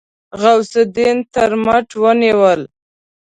غوث الدين تر مټ ونيوله.